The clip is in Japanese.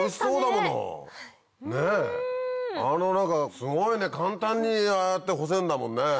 すごいね簡単にああやって干せるんだもんね。